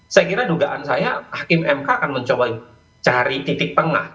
saya kira dugaan saya hakim mk akan mencoba cari titik tengah